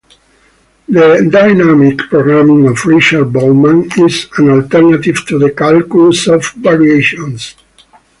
The dynamic programming of Richard Bellman is an alternative to the calculus of variations.